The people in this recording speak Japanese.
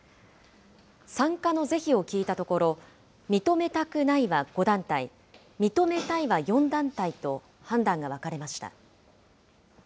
参加の是非を聞いたところ、認めたくないは５団体、認めたいは４団体と、判断が分かれました。